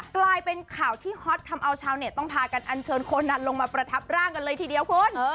กลายเป็นข่าวที่ฮอตทำเอาชาวเน็ตต้องพากันอันเชิญคนลงมาประทับร่างกันเลยทีเดียวคุณ